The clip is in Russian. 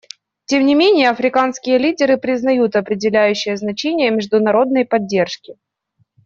Тем не менее, африканские лидеры признают определяющее значение международной поддержки.